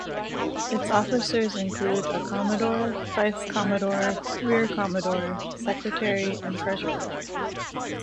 Its officers include a Commodore, vice-commodore, rear-commodore, secretary and treasurer.